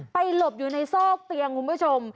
หลบอยู่ในซอกเตียงคุณผู้ชม